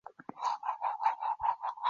昌乐县境内有齐国故都营丘遗址。